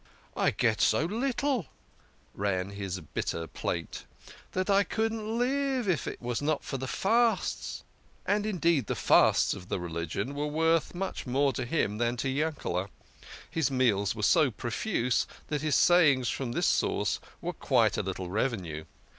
" I get so little," ran his bitter plaint, " that I couldn't live, if it were not for the fasts." And, indeed, the fasts of the religion were worth much more to him than to Yankele' ; his meals were so profuse that his savings from this source were quite a little revenue.